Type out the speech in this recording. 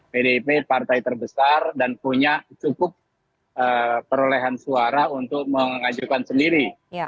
pdip partai terbesar dan punya cukup perolehan suara untuk mengajukan sendiri